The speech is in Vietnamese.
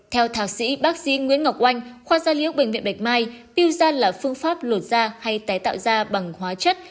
theo thạc sĩ bác sĩ nguyễn ngọc oanh khoa gia liễu bệnh viện bạch mai piêu da là phương pháp lột da hay tái tạo da bằng hóa chất